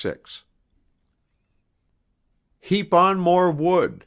VI Heap on more wood!